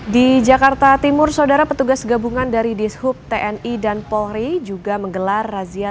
di jakarta timur saudara petugas gabungan dari dishub tni dan polri juga menggelar razia